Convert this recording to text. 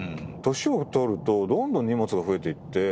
年を取るとどんどん荷物が増えていって。